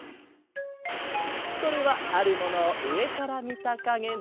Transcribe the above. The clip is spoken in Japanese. これはあるものをうえからみたかげだ。